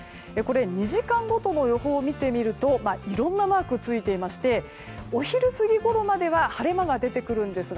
２時間ごとの予報を見るといろいろなマークがついていてお昼過ぎごろまでは晴れ間が出てくるんですが